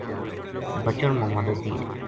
بچن ما مدد دیئے